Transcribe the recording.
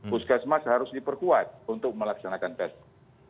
puskesmas harus diperkuat untuk melaksanakan tes